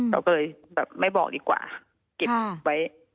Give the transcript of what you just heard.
เราก็เลยแบบไม่บอกดีกว่าเก็บไว้